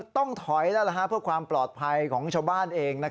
ต้องถอยแล้วเพื่อความปลอดภัยของชาวบ้านเอง